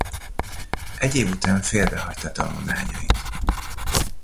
Egy év után félbehagyta tanulmányait.